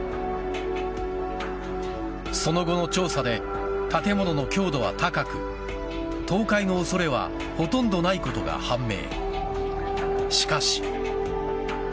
その後の調査で建物の強度は高く倒壊の恐れはほとんどないことが判明。